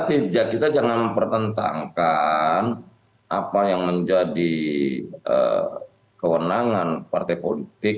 tidak kita jangan pertentangkan apa yang menjadi kewenangan partai politik